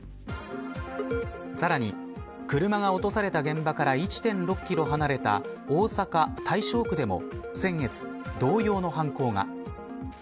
さらに車が落とされた現場から１．６キロ離れた大阪、大正区でも先月、同様の犯行が。